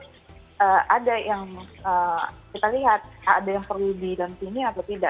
jadi ada yang kita lihat ada yang perlu didampingi atau tidak